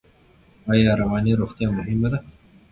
ایا رواني روغتیا مهمه ده؟